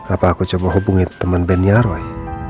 apa aku coba hubungi temen bennya roy